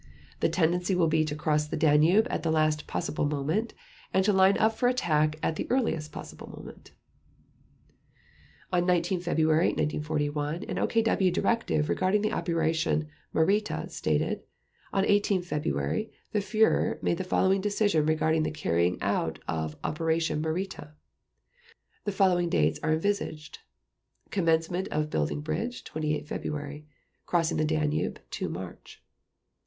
The tendency will be to cross the Danube at the last possible moment, and to line up for attack at the earliest possible moment." On 19 February 1941 an OKW directive regarding the operation "Marita" stated: "On 18 February the Führer made the following decision regarding the carrying out of Operation Marita: The following dates are envisaged: Commencement of building bridge, 28 February; crossing of the Danube, 2 March."